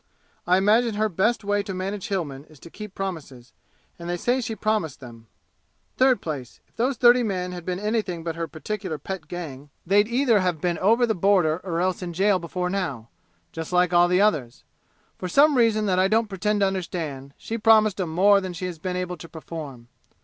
I imagine her best way to manage Hillmen is to keep promises, and they say she promised them. Third place, if those thirty men had been anything but her particular pet gang they'd either have been over the border or else in jail before now, just like all the others. For some reason that I don't pretend to understand, she promised 'em more than she has been able to perform.